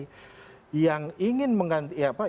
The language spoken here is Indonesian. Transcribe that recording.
artinya ingin meleksakan pak jokowi